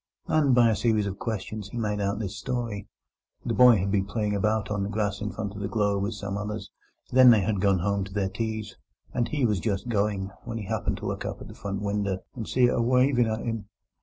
And by a series of questions he made out this story: The boy had been playing about on the grass in front of the Globe with some others; then they had gone home to their teas, and he was just going, when he happened to look up at the front winder and see it a wiving at him.